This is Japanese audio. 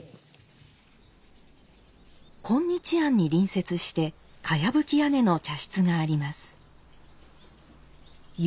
今日庵に隣接してかやぶき屋根の茶室があります。